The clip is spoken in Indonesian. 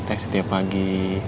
teh setiap pagi